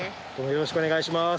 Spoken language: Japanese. よろしくお願いします。